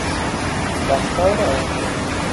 رفتار آمرانه